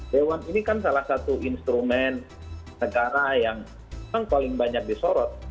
dewan ini kan salah satu instrumen negara yang paling banyak disorot